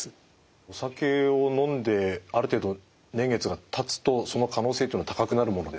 お酒を飲んである程度年月がたつとその可能性というのは高くなるものですか？